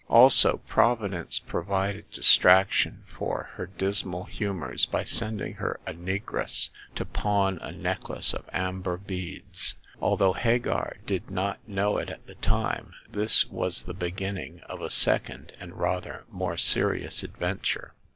Also, Providence provided distraction for her dismal humors by sending her a negress to pawn a necklace of amber beads. Although Hagar did not know it at the time, this was the beginning of a second and rather more serious adventure.